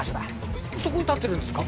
えっそこに立ってるんですか？